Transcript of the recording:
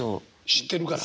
知ってるから。